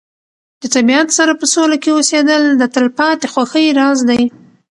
د طبیعت سره په سوله کې اوسېدل د تلپاتې خوښۍ راز دی.